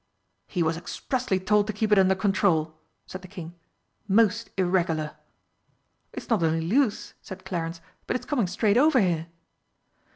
"He was expressly told to keep it under control," said the King. "Most irregular!" "It's not only loose," said Clarence, "but it's coming straight over here."